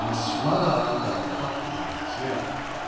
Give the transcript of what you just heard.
まだあなたは分かってないようですね。